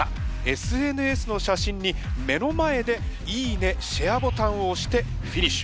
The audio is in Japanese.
ＳＮＳの写真に目の前で「いいね！」「シェア」ボタンを押してフィニッシュ。